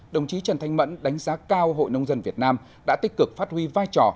đồng chí trần thanh mẫn đánh giá cao hội nông dân việt nam đã tích cực phát huy vai trò